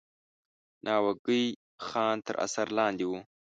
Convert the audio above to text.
ناوګی خان تر اثر لاندې وو.